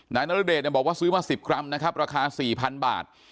นายนรุเดชเนี่ยบอกว่าซื้อมาสิบกรัมนะครับราคาสี่พันบาท